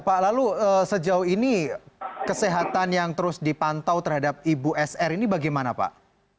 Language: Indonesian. pak lalu sejauh ini kesehatan yang terus dipantau terhadap ibu sr ini bagaimana pak